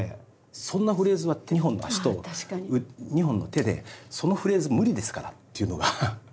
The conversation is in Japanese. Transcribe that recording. そんなフレーズは２本の足と２本の手でそのフレーズ無理ですからっていうのが。